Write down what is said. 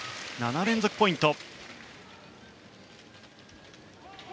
７連続ポイント。